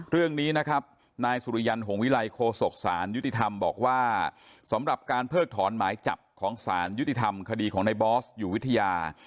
เรื่องนี้นะครับนายสุริยันหงวิลัยโคศกศาลยุติธรรมบอกว่าสำหรับการเพิกถอนหมายจับของสารยุติธรรมคดีของในบอสอยู่วิทยา